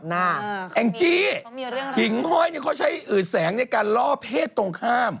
แองจี้ขิงห้อยเนี่ยเขาใช้อืดแสงในการล่อเพศตรงข้าม